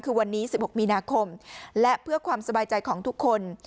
คือวันนี้๑๖มีนาคมและเพื่อความสบายใจของทุกคน